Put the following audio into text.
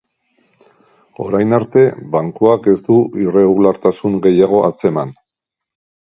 Orain arte, bankuak ez du irregulartasun gehiago atzeman.